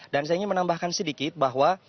dan saya ingin menambahkan sedikit bahwa